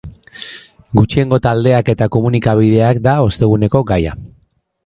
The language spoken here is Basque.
Gutxiengo taldeak eta komunikabideak da osteguneko gaia.